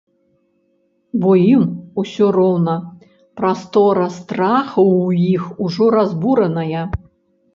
Бо ім усё роўна, прастора страху ў іх ужо разбураная.